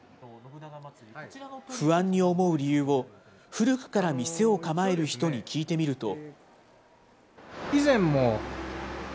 不安に思う理由を、古くから店を構える人に聞いてみると。